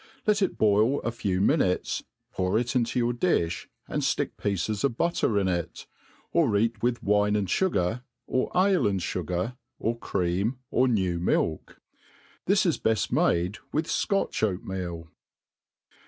L(ft it boil a few" minutes, pour it in your diOi, and ftick pieces of butter in it; or eat with wine and fugar, or ale and fugar, or cr^am, dr nevjr milk. This is heft made wuh Scotch oatmeal.